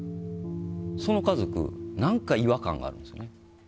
その家族何か違和感があるんですよね。